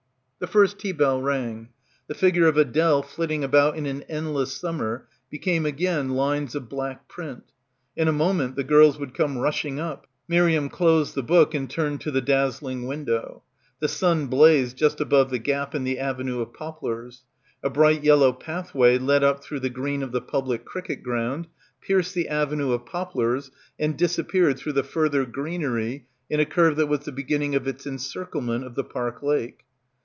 The first tea bell rang. The figure of Adele flitting about in an endless summer became again lines of black print. In a moment the girls would come rushing up. Miriam closed the book and turned to the dazzling window. The sun blazed just above the gap in the avenue of poplars. A bright yellow pathway led up through the green of the public cricket ground, pierced the avenue of poplars and disappeared through the further greenery in a curve that was the beginning of its encirclement of the park lake.